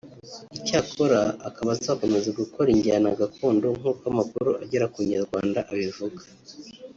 Icyakora akaba azakomeza gukora injyana gakondo nkuko amakuru agera ku Inyarwanda abivuga